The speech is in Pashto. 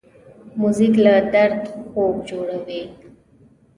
موزیک له درد خوږ جوړوي.